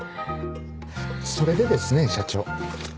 それでですね社長。